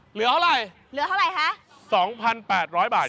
เหลือเท่าไระ๒๘๐๐บาทค่ะ